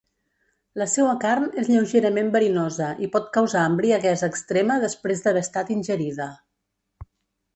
La seua carn és lleugerament verinosa i pot causar embriaguesa extrema després d'haver estat ingerida.